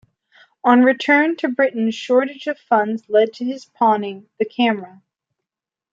On return to Britain shortage of funds led to his pawning the camera.